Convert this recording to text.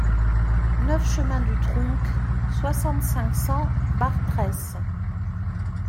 neuf chemin du Trounc, soixante-cinq, cent, Bartrès